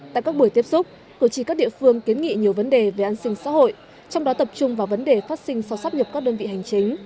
tại các buổi tiếp xúc cử tri các địa phương kiến nghị nhiều vấn đề về an sinh xã hội trong đó tập trung vào vấn đề phát sinh sau sắp nhập các đơn vị hành chính